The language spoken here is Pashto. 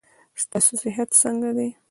ستاسو صحت څنګه ده.